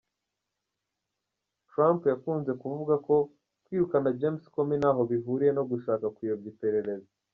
Trump yakunze kuvuga ko kwirukana James Comey ntaho bihuriye no gushaka kuyobya iperereza.